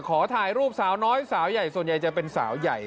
ขอถ่ายรูปสาวน้อยสาวใหญ่ส่วนใหญ่จะเป็นสาวใหญ่